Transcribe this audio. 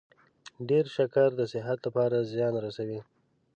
ډیر شکر د صحت لپاره زیان رسوي.